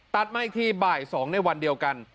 มาอีกทีบ่าย๒ในวันเดียวกัน